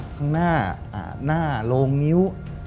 ข้างหน้าหน้าโรงนิ้ว